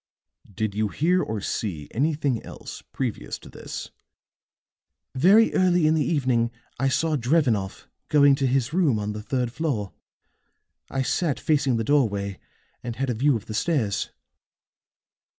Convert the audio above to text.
"Did you hear or see anything else, previous to this?" "Very early in the evening I saw Drevenoff going to his room on the third floor; I sat facing the doorway and had a view of the stairs."